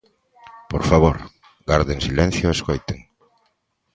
Por favor, garden silencio e escoiten.